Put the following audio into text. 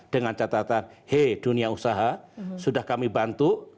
dengan catatan hey dunia usaha sudah kami bantu